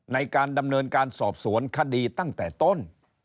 ในการดำเนินการสอบสวนคดีตั้งแต่ต้น